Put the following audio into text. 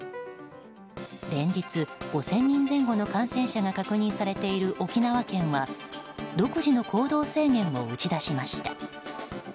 連日５０００人前後の感染者が確認されている沖縄県は独自の行動制限を打ち出しました。